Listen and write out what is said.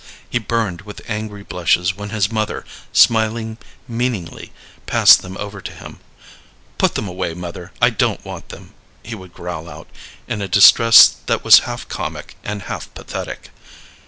He burned with angry blushes when his mother, smiling meaningly, passed them over to him. "Put them away, mother; I don't want them," he would growl out, in a distress that was half comic and half pathetic.